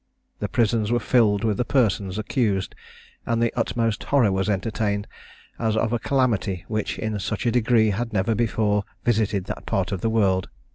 The prisons were filled with the persons accused, and the utmost horror was entertained, as of a calamity which in such a degree had never before visited that part of the world.